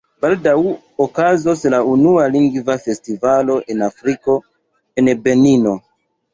Baldaŭ okazos la unua Lingva Festivalo en Afriko, en Benino.